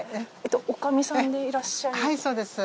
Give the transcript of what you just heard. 女将さんでいらっしゃいますか？